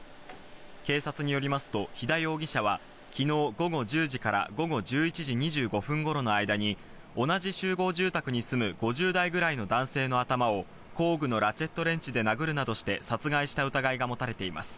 警察によりますと肥田容疑者は、昨日午後１０時から午後１１時２５分頃の間に同じ集合住宅に住む５０代くらいの男性の頭を工具のラチェットレンチで殴るなどして殺害した疑いが持たれています。